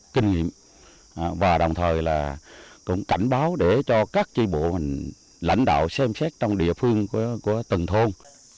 kinh nghiệm và đồng thời là cũng cảnh báo để cho các chi bộ mình lãnh đạo xem xét trong địa phương của từng thôn